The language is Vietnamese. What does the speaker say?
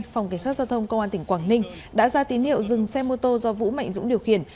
phòng cảnh sát giao thông công an tỉnh quảng ninh đã ra tín hiệu dừng xe mô tô do vũ mạnh dũng điều khiển